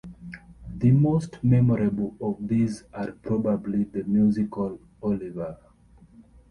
The most memorable of these are probably the musical Oliver!